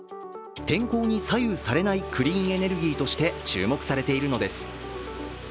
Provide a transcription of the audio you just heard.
天候に左右されないクリーンエネルギーとして注目されているのです。